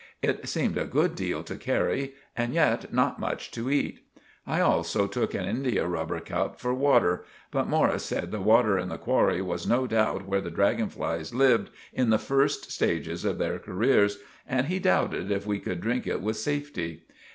It seemed a good deel to carry and yet not much to eat. I also took an india rubber cup for water; but Morris said the water in the qwarry was no doubt where the draggon flies lived in the first stages of their careers, and he douted if we could drink it with safety.